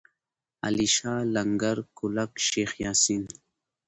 علیشه، لنگر، کولک، شیخ یاسین.